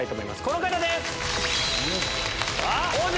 この方です！